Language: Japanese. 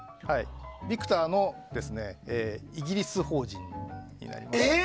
ビクターのイギリス法人です。